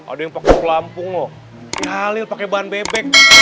ada yang pakai kelampung oh halil pakai ban bebek